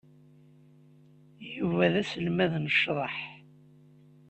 Yuba d aselmad n ccḍeḥ.